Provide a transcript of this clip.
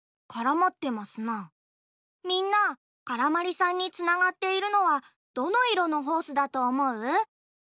みんなからまりさんにつながっているのはどのいろのホースだとおもう？